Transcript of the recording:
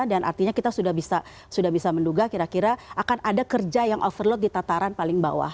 dan artinya kita sudah bisa menduga kira kira akan ada kerja yang overload di tataran paling bawah